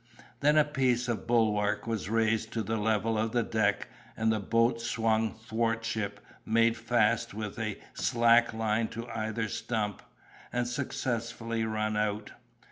Then a piece of the bulwark was razed to the level of the deck, and the boat swung thwart ship, made fast with a slack line to either stump, and successfully run out.